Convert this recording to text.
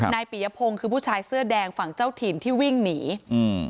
ปียพงศ์คือผู้ชายเสื้อแดงฝั่งเจ้าถิ่นที่วิ่งหนีอืม